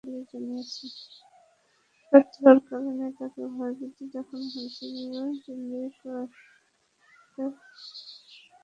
প্রার্থী হওয়ার কারণে তাঁকে ভয়ভীতি দেখানো হচ্ছিল বলে তিনি আমাকে জানিয়েছিলেন।